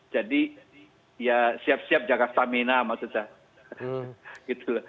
jadi ya siap siap jaga stamina maksud saya